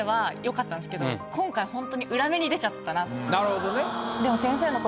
なるほどね。